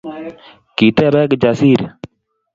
Kitebe Kijasiri